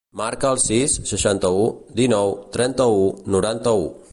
Marca el sis, seixanta-u, dinou, trenta-u, noranta-u.